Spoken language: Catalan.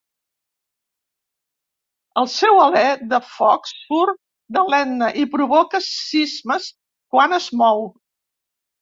El seu alè de foc surt de l'Etna i provoca sismes quan es mou.